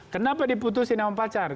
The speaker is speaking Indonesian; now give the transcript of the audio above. kenapa diputusin nama pacar